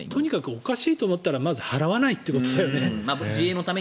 とにかくおかしいと思ったらまず払わないということだよね。